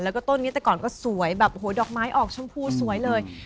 แล้วก็ต้นนี้แต่ก่อนก็สวยแบบโอ้โหดอกไม้ออกชมพูสวยเลย